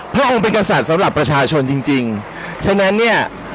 พระองค์เป็นกษัตริย์สำหรับประชาชนจริงจริงฉะนั้นเนี่ย